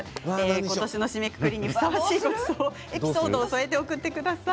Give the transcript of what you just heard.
ことしの締めくくりにふさわしいごちそうなエピソードを添えて送ってください。